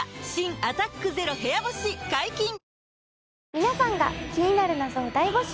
皆さんが気になる謎を大募集。